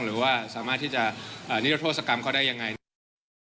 หรือว่าสามารถที่จะนิรโทษกรรมเขาได้ยังไงนะครับ